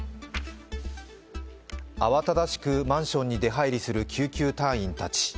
慌ただしくマンションに出入りする救急隊員たち。